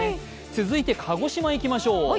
続いて鹿児島にいきましょう。